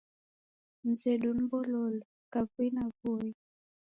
Mzedu ni Mbololo, kavui na Voi.